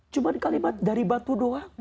cuma kalimat dari batu doa